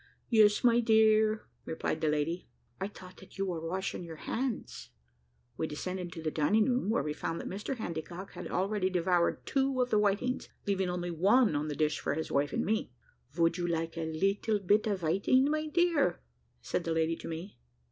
"Yes, my dear," replied the lady; "I thought that you were washing your hands." We descended into the dining room, where we found that Mr Handycock had already devoured two of the whitings, leaving only one on the dish for his wife and me. "Vould you like a little bit of viting, my dear?" said the lady to me.